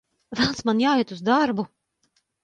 Velns, man jāiet uz darbu!